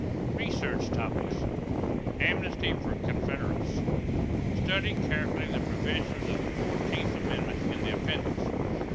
=Research Topics= =Amnesty for Confederates.= Study carefully the provisions of the fourteenth amendment in the Appendix.